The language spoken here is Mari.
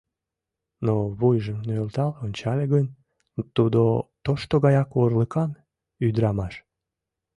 Но вуйжым нӧлтал ончале гын — тудо тошто гаяк орлыкан ӱдырамаш.